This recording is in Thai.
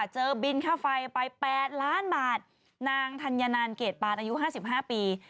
บินค่าไฟไป๘ล้านบาทนางธัญเกรดปานอายุ๕๕ปี